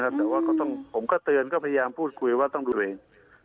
ผมก็เตือนพูดคุยว่าต้องดูตัวเอง